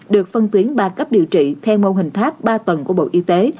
được phân tuyến ba cấp điều trị theo mô hình tháp ba tầng của bộ y tế